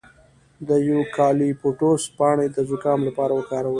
د یوکالیپټوس پاڼې د زکام لپاره وکاروئ